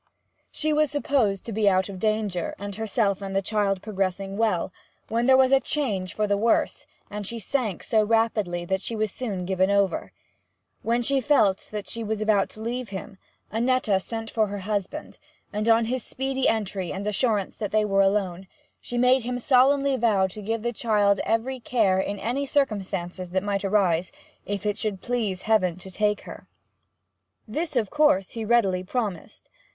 She was supposed to be out of danger, and herself and the child progressing well, when there was a change for the worse, and she sank so rapidly that she was soon given over. When she felt that she was about to leave him, Annetta sent for her husband, and, on his speedy entry and assurance that they were alone, she made him solemnly vow to give the child every care in any circumstances that might arise, if it should please Heaven to take her. This, of course, he readily promised.